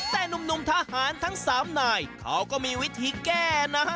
แต่หนุ่มทหารทั้ง๓นายเขาก็มีวิธีแก้นะ